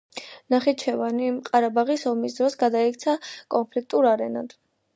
ნახიჩევანი, ყარაბაღის ომის დროს, გადაიქცა კონფლიქტურ არენად.